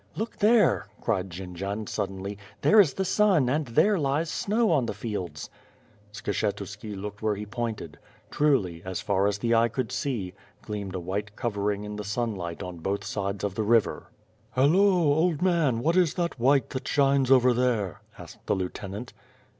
"Look there!" cried Jcndzian, suddenly, "there is the sun and there lies snow on the fields." Skshetuski looked where he pointed. Truly, as far as the eye could see, gleamed a white covering in the sunlight on both sides of the river. "Hallo! old man, what is that white that shines over there?" asked the lieutenant.